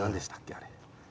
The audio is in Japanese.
あれ。